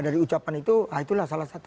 dari ucapan itu itulah salah satu